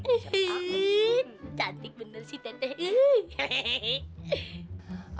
hiiih cantik bener sih teteh hiih